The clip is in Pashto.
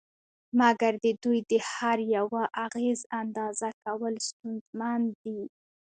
مګر د دوی د هر یوه اغېز اندازه کول ستونزمن دي